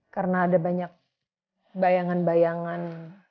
karena ada banyak bayangan bayangan